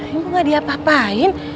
ibu gak diapain